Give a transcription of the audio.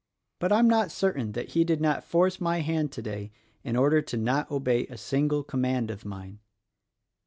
But I'm not certain that he did not force my hand today in order to not obey a single com mand of mine.